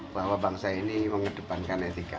bahwa bangsa ini mengedepankan etika